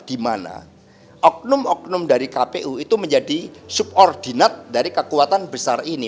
dimana oknum oknum dari kpu itu menjadi subordinat dari kekuatan besar ini